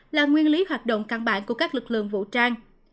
là nguyên lý hoạt động căn bản của các lực lượng vũ trang